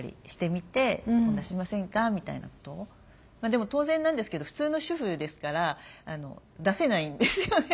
でも当然なんですけど普通の主婦ですから出せないんですよね。